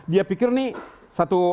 dia pikir nih